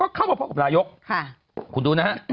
ก็เข้ามาพบกับระยุกต์คุณดูนะครับ